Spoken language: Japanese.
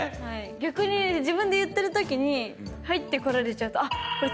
逆に自分で言ってるときに入ってこられちゃうと。